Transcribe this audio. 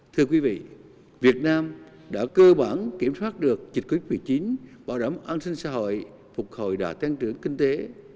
thưa quý vị việt nam đã cơ bản kiểm soát được dịch covid một mươi chín bảo đảm an sinh xã hội phục hồi đạt tăng trưởng kinh tế